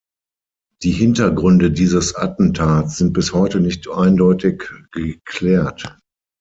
Die Hintergründe dieses Attentats sind bis heute nicht eindeutig geklärt.